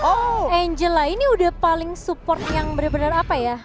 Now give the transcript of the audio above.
oh angela ini udah paling support yang benar benar apa ya